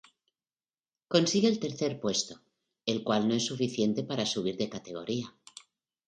Consigue el tercer puesto, el cual no es suficiente para subir de categoría.